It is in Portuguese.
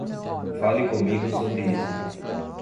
Fale comigo sobre isso.